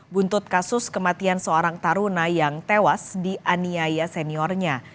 buntut kasus kematian seorang taruna yang tewas dianiaya seniornya